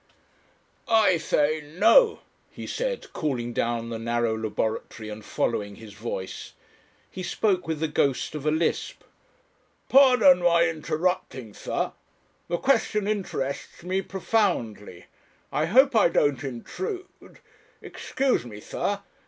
"I say no!" he said, calling down the narrow laboratory and following his voice. He spoke with the ghost of a lisp. "Pardon my interrupting, sir. The question interests me profoundly. I hope I don't intrude. Excuse me, sir.